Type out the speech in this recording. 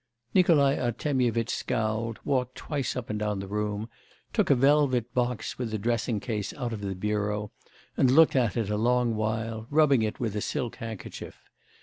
Nikolai Artemyevitch scowled, walked twice up and down the room, took a velvet box with the dressing case out of the bureau and looked at it a long while, rubbing it with a silk handkerchief.